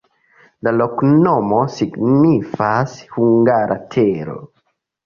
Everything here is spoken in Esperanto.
La loknomo signifas: hungara-tero.